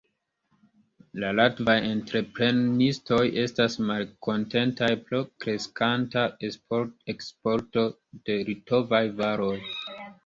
La latvaj entreprenistoj estas malkontentaj pro kreskanta eksporto de litovaj varoj.